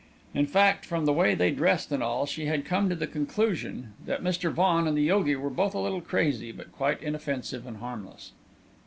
In fact, from the way they dressed and all, she had come to the conclusion that Mr. Vaughan and the yogi were both a little crazy, but quite inoffensive and harmless.